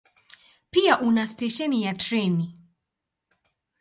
Pia una stesheni ya treni.